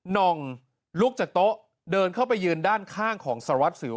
น่องลุกจากโต๊ะเดินเข้าไปยืนด้านข้างของสารวัตรสิว